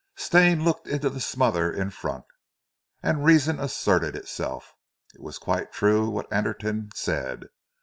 Stane looked into the smother in front, and reason asserted itself. It was quite true what Anderton said.